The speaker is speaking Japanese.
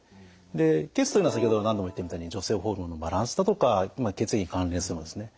で血というのは先ほど何度も言ったみたいに女性ホルモンのバランスだとか血液に関連するものですね。